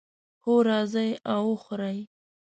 هو، راځئ او وخورئ